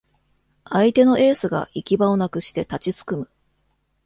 相手のエースが行き場をなくして立ちすくむ